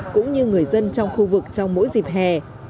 cũng như người dân trong khu vực trong mỗi dịp hè